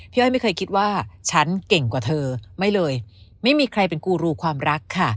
อ้อยไม่เคยคิดว่าฉันเก่งกว่าเธอไม่เลยไม่มีใครเป็นกูรูความรักค่ะ